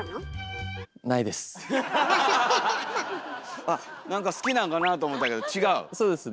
なんか好きなんかなと思ったけど違う？